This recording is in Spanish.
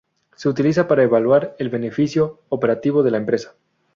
Se utiliza para evaluar el beneficio 'operativo' de la empresa.